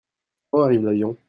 Quand arrive l'avion ?